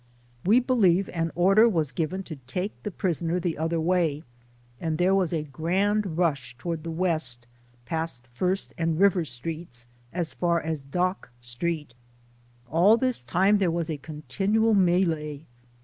We believe an order was given to take the prisoner the other way, and there w^as a grand rush towards the West, past First and River Streets, as far as Dock Street. All this time there was a continual melee.